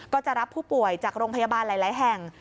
ก็จะรับผู้ป่วยจากโรงพยาบาลหลายแห่ง